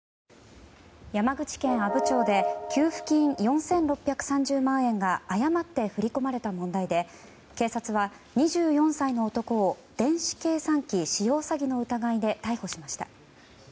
山口県阿武町で給付金４６３０万円が誤って振り込まれた問題で警察は２４歳の男を電子計算機使用詐欺の疑いで逮捕しました。